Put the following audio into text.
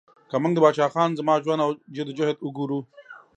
که موږ د پاچا خان زما ژوند او جد او جهد وګورو